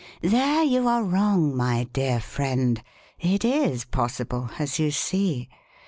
"There you are wrong, my dear friend. It is possible, as you see.